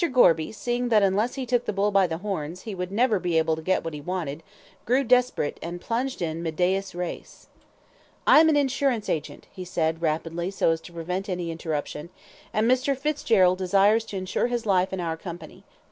Gorby, seeing that unless he took the bull by the horns, he would never be able to get what he wanted, grew desperate, and plunged in MEDIAS RES. "I am an insurance agent," he said, rapidly, so as to prevent any interruption, "and Mr. Fitzgerald desires to insure his life in our company.